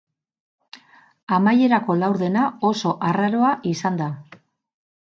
Amaierako laurdena oso arraroa izan da.